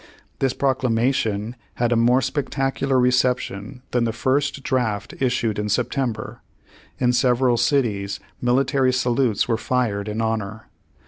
Page One Hundred twenty three This Proclamation had a more spectacular re ception than the first draft issued in September. In several cities military salutes were fired in its honor.